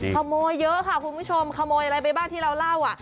ขโมยเยอะค่ะคุณผู้ชมขโมยอะไรไปบ้างที่เราเล่าอ่ะ